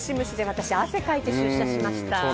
私、汗をかいて出社しました。